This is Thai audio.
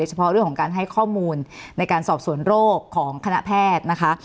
เฉพาะเรื่องของการให้ข้อมูลในการสอบสวนโรคของคณะแพทย์นะคะ